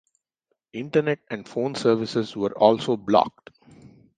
Internet and phone services were also blocked.